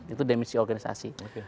itu dimensi organisasi